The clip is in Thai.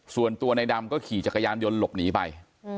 ส่วนตัวในดำก็ขี่จักรยานยนต์หลบหนีไป